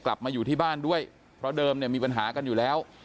กลับมาอยู่ที่บ้านด้วยเพราะเดิมเนี่ยมีปัญหากันอยู่แล้ว